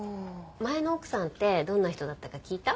前の奥さんってどんな人だったか聞いた？